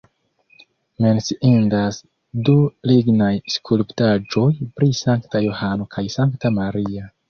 Menciindas du lignaj skulptaĵoj pri Sankta Johano kaj Sankta Maria.